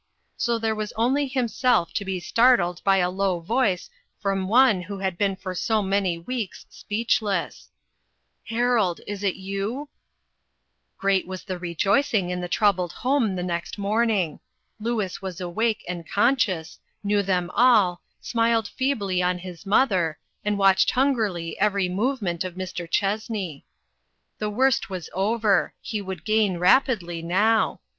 So there was only himself to be startled by a low voice from one who had been for so many weeks speechless :" Harold, is it you ?" Great was the rejoicing in the troubled home the next morning. Louis was awake and conscious, knew them all, smiled feebly on his mother, and watched hungrily every movement of Mr. Chessney. The worst was over ; he would gain rap idly now.